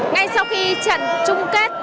ngay sau khi trận trung cấp